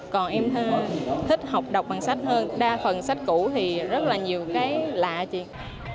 còn em thích học đọc bằng sách hơn đa phần sách cũ thì rất là nhiều cái lạ chuyện